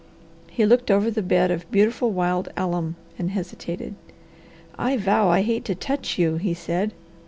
He looked over the bed of beautiful wild alum and hesitated. "I vow I hate to touch you," he said.